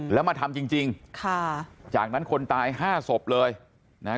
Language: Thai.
แล้วมาทำจริงจริงค่ะจากนั้นคนตายห้าศพเลยนะฮะ